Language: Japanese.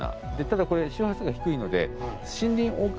ただこれ周波数が低いので。